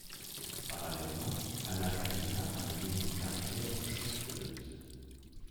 Parallèlement, Anna Karina a mené une carrière de chanteuse.